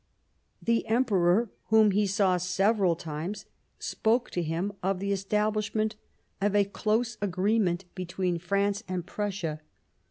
The Emperor, whom he saw several times, spoke to him of the establishment of a close agreement 41 Bismarck between France and Prussia.